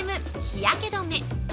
日焼け止め。